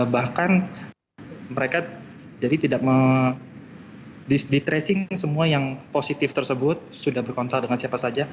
bahkan mereka jadi tidak di tracing semua yang positif tersebut sudah berkontak dengan siapa saja